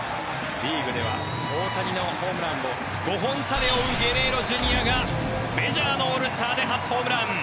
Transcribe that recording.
リーグでは大谷のホームランを５本差で追うゲレーロＪｒ．がメジャーのオールスターで初ホームラン！